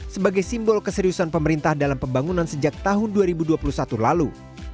sebagai simbol keseriusan pemerintah dalam pembangunan sejak tahun dua ribu dua puluh satu lalu